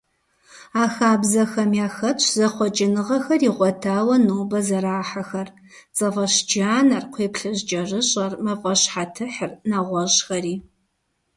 А хабзэхэм яхэтщ зэхъуэкӀыныгъэхэр игъуэтауэ нобэ зэрахьэхэр: цӀэфӀэщджанэр, кхъуейплъыжькӀэрыщӀэр, мафӀащхьэтыхьыр, нэгъуэщӀхэри.